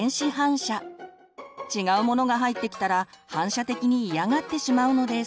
違うものが入ってきたら反射的に嫌がってしまうのです。